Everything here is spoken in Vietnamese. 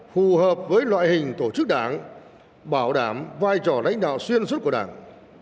phù hợp với loại hình tổ chức đảng bảo đảm vai trò lãnh đạo xuyên suốt của đảng